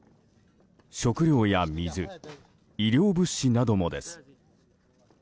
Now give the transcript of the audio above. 食料や水、医療物資などもです。